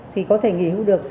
thì có thể nghỉ hưu được